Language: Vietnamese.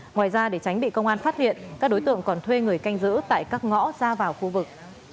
ngoài ra để tránh bị công an phát hiện các đối tượng còn thuê người canh giữ tại các ngõ ra vào khu vực